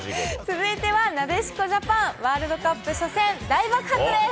続いてはなでしこジャパン、ワールドカップ初戦、大爆発です。